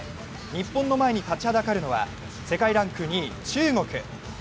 日本の前に立ちはだかるのは世界ランク２位、中国。